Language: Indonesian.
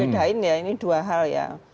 ini harus dibedain ya ini dua hal ya